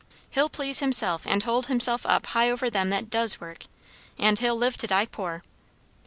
He'll please himself, and hold himself up high over them that does work. And he'll live to die poor. I.